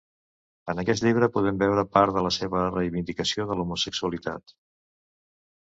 En aquest llibre podem veure part de la seva reivindicació de l'homosexualitat.